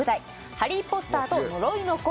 「ハリー・ポッターと呪いの子」